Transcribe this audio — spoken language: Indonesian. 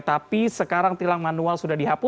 tapi sekarang tilang manual sudah dihapus